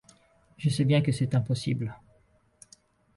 Je sais bien que c'est impossible.